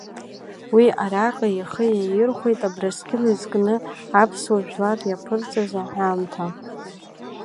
Уи араҟа ихы иаирхәеит Абрыскьыл изкны аԥсуа жәлар иаԥырҵаз аҳәамҭа.